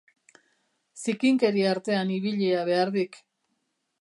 Zikinkeria artean ibilia behar dik.